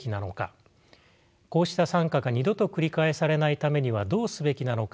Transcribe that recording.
こうした惨禍が二度と繰り返されないためにはどうすべきなのか。